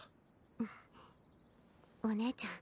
うんお姉ちゃん